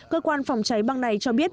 cơ quan phòng cháy bang này cho biết